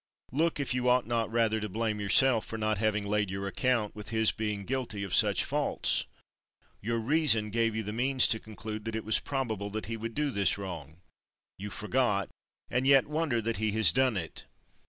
Look if you ought not rather to blame yourself for not having laid your account with his being guilty of such faults. Your reason gave you the means to conclude that it was probable that he would do this wrong; you forgot, and yet wonder that he has done it.